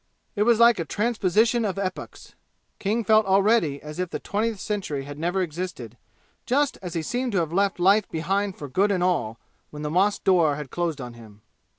It was like a transposition of epochs. King felt already as if the twentieth century had never existed, just as he seemed to have left life behind for good and all when the mosque door had closed on him.